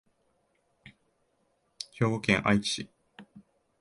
兵庫県相生市